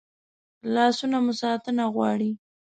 لاسونه مو ساتنه غواړي